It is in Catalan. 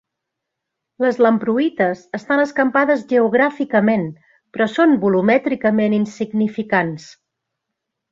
Les lamproïtes estan escampades geogràficament però són volumètricament insignificants.